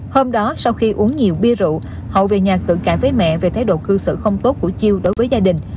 hôm đó sau khi uống nhiều bia rượu hậu về nhà tự cãi với mẹ về thái độ cư xử không tốt của chiêu đối với gia đình